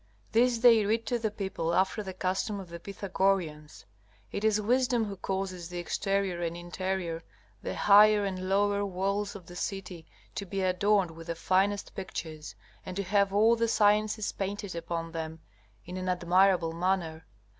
This they read to the people after the custom of the Pythagoreans. It is Wisdom who causes the exterior and interior, the higher and lower walls of the city to be adorned with the finest pictures, and to have all the sciences painted upon them in an admirable manner.